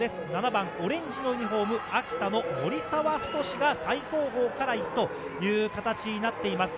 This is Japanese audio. ７番オレンジのユニホーム、秋田の守澤太志が最後方から行くという形になっています。